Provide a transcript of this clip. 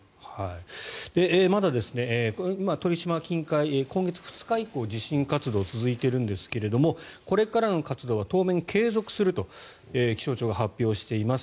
まだ鳥島近海今月２日以降地震活動、続いているんですがこれからの活動は当面継続すると気象庁は発表しています。